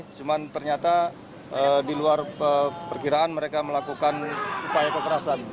cuman ternyata di luar perkiraan mereka melakukan upaya kekerasan